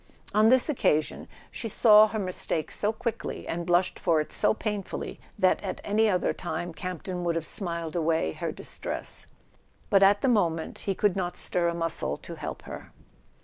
On this occasion she saw her mistake so quickly, and blushed for it so painfully, that at any other time Campton would have smiled away her distress; but at the moment he could not stir a muscle to help her.